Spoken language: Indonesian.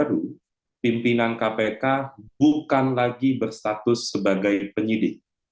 pemirsa kurnia ramadana mengatakan keikut sertaan firly bukan lagi berstatus sebagai penyidik